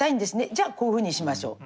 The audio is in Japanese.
じゃあこういうふうにしましょう。